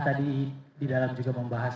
tadi di dalam juga membahas